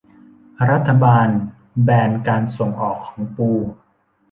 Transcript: รัฐบาลแบนการส่งออกของปู